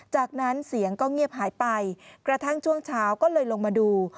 จากนั้นเสียงก็เงียบหายไปกระทั่งช่วงเช้าก็เลยลงมาดู